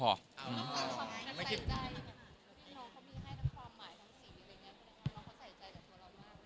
โอ้โห